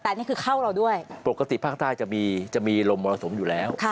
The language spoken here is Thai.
แต่นี่คือเข้าเราด้วยปกติภาคใต้จะมีจะมีลมมรสุมอยู่แล้ว